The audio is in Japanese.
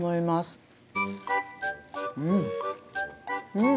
うん！